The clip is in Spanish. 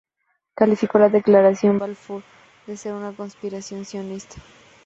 Califico la Declaración Balfour de ser una conspiración sionista.